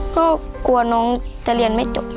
ก็กลัวน้องจะเรียนไม่จบ